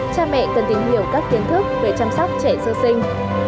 cha mẹ cần tìm hiểu các kiến thức về chăm sóc trẻ sơ sinh